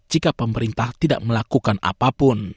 jika pemerintah tidak melakukan apapun